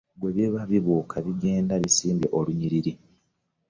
Bwe biba bibuuka bigenda bisimbye olunyiriri.